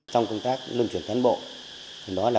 trong công tác luân chuyển cán bộ